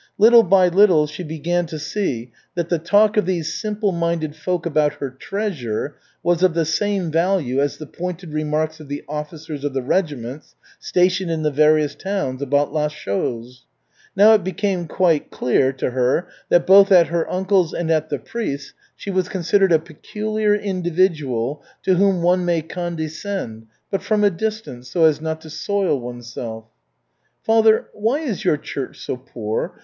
Little by little she began to see that the talk of these simple minded folk about her "treasure" was of the same value as the pointed remarks of the officers of the regiments stationed in the various towns about la chose. Now it became quite clear to her that both at her uncle's and at the priest's she was considered a peculiar individual to whom one may condescend, but from a distance, so as not to soil oneself. "Father, why is your church so poor?"